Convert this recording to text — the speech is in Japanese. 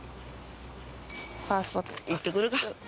行ってくるか。